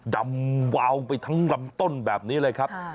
ดำวาวไปทั้งลำต้นแบบนี้เลยครับ